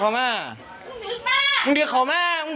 แต่อย่างหนึ่งที่ผิดแน่ก็คือผิดทั้งสองฝั่ง